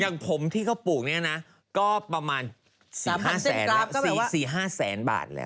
อย่างผมที่เขาปลูกเนี่ยนะก็ประมาณ๔๕แสนแล้ว๔๕แสนบาทแล้ว